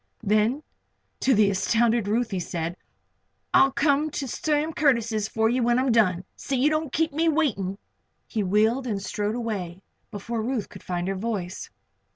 Then to the astounded Ruth he said: "I'll come to Sam Curtis' for you when I'm done. See you don't keep me waiting." He wheeled and strode away before Ruth could find her voice.